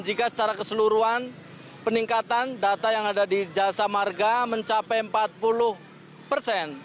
jika secara keseluruhan peningkatan data yang ada di jasa marga mencapai empat puluh persen